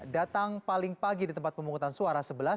datang paling pagi di tempat pemungutan suara sebelas